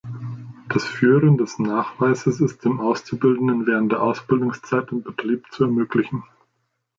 Das Führen des Nachweises ist dem Auszubildenden während der Ausbildungszeit im Betrieb zu ermöglichen.